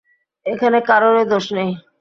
এখানে কারোরই দোষ নেই।